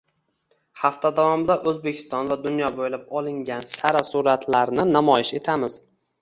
Haftda davomida O‘zbekiston va dunyo bo‘ylab olingan sara suratlarni namoyish etamiz